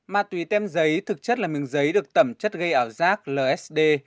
ma túy tem giấy thực chất là miếng giấy được tẩm chất gây ảo giác lsd